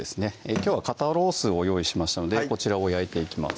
きょうは肩ロースを用意しましたのでこちらを焼いていきます